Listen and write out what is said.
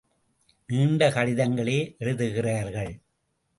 நீண்ட கடிதங்களே எழுதுகிறார்கள்.